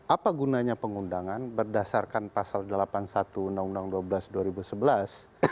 apa gunanya pengundangan berdasarkan pasal delapan puluh satu undang undang dua belas dua ribu sebelas